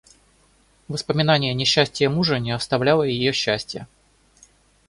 Воспоминание несчастия мужа не отравляло ее счастия.